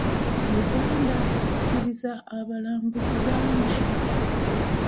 Uganda esikiriza abalambuzi bangi.